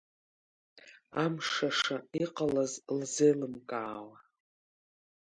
Амшаша иҟалаз лзеилымкаауа.